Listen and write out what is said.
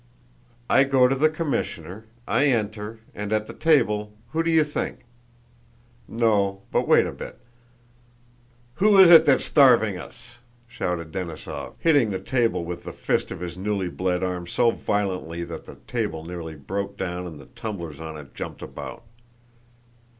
I go to the commissioner. I enter, and at the table... who do you think? No, but wait a bit!... Who is it that's starving us?" shouted Denísov, hitting the table with the fist of his newly bled arm so violently that the table nearly broke down and the tumblers on it jumped about.